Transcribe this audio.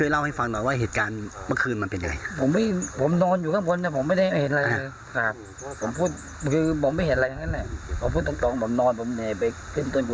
แล้วตอนนั้นพี่ยังไงต่อ